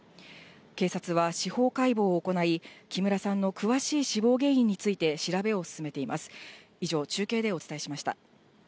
警察は司法解剖を行い、木村さんの詳しい死亡原因について調べを進めています。